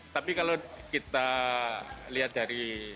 tapi kalau kita lihat dari